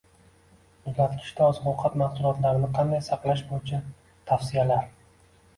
Muzlatkichda oziq-ovqat mahsulotlarini qanday saqlash bo‘yicha tavsiyalar